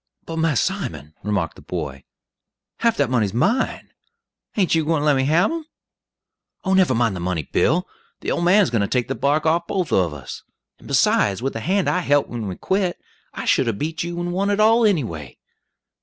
"But, Mass Simon," remarked the boy, "half dat money's mine. Ain't you gwine to lemme hab 'em?" "Oh, never mind the money, Bill; the old man's going to take the bark off both of us; and besides, with the hand I helt when we quit, I should 'a' beat you and won it all, any way."